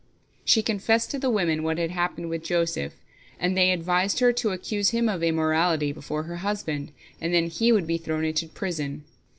She confessed to the women what had happened with Joseph, and they advised her to accuse him of immorality before her husband, and then he would be thrown into prison.